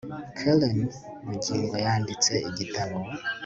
karen bugingo yanditse igitabo